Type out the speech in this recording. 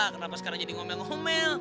kenapa sekarang jadi ngomel ngomel